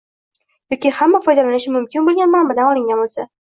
yoki hamma foydalanishi mumkin bo‘lgan manbadan olingan bo‘lsa;